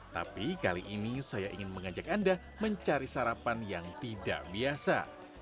tapi kali ini saya ingin mengajak anda mencari sarapan yang tidak biasa